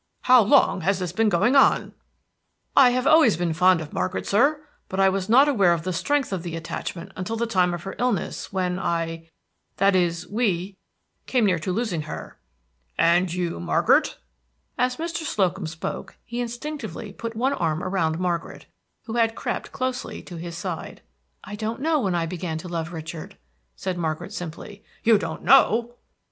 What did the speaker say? How long has this been going on?" "I have always been fond of Margaret, sir; but I was not aware of the strength of the attachment until the time of her illness, when I that is, we came near to losing her." "And you, Margaret?" As Mr. Slocum spoke he instinctively put one arm around Margaret, who had crept closely to his side. "I don't know when I began to love Richard," said Margaret simply. "You don't know!"